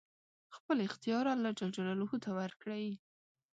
خپل اختيار الله ته ورکړئ!